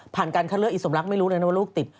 ผ่านการเคราะห์สมรักไม่รู้เลยนะว่าลูกติด